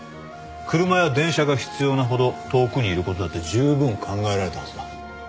車や電車が必要なほど遠くにいることだってじゅうぶん考えられたはずだ。